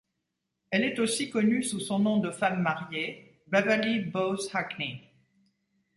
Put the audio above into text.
Elle est aussi connue sous son nom de femme mariée, Beverly Bowes-Hackney.